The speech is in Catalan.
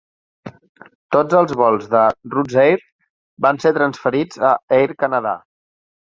Tots els vols de Roots Air van ser transferits a Air Canada.